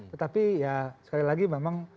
tetapi ya sekali lagi memang